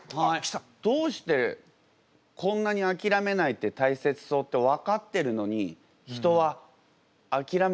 どうしてこんなにあきらめないって大切そうって分かってるのに人はあきらめてしまうんですかね？